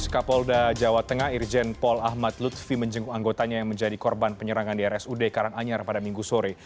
kapolda jawa tengah irjen paul ahmad lutfi menjenguk anggotanya yang menjadi korban penyerangan di rsud karanganyar pada minggu sore